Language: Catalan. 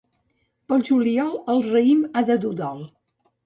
Pel juliol el raïm ha de dur dol.